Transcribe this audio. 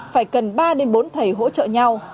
phải cần ba bốn thầy hỗ trợ nhau